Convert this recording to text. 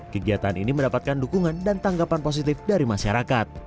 kegiatan ini mendapatkan dukungan dan tanggapan positif dari masyarakat